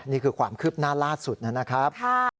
นี่คือความคืบหน้าล่าสุดนะครับ